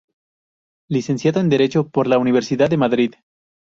Licenciado en Derecho por la Universidad de Madrid.